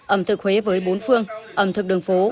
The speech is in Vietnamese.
ẩm thực huế với bốn phương ẩm thực đường phố